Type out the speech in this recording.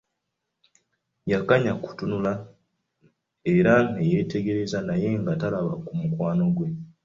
Yakanya kutunula era ne yeetegereza naye nga talaba ku mukwano gwe.